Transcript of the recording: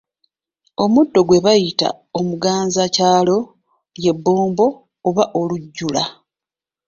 Omuddo gwe bayita omuganzakyalo lye Bbombo oba Olujjula.